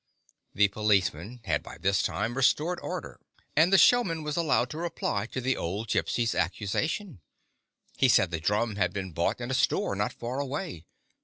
The policeman had by this time restored order, and the showman was allowed to reply to the old Gypsy's accusation. He said the drum had been bought at a store not far away.